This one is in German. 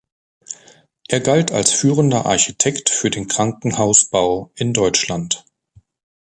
Er galt als führender Architekt für den Krankenhausbau in Deutschland.